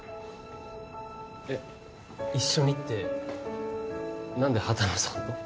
えっ一緒にって何で畑野さんと？